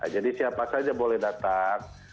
jadi siapa saja boleh datang